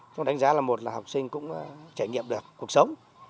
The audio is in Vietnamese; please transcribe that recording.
chúng đánh giá là một là học sinh cũng trải nghiệm được cuộc sống